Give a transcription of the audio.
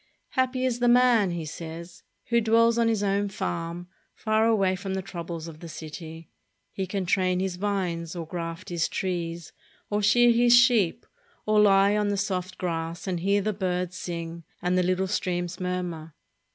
"Happy is the man," he says, "who dwells on his own farm, far away from the troubles of the city. He can train his vines, or graft his trees, or shear his sheep, or lie on the soft grass and hear the birds sing and the little streams murmur."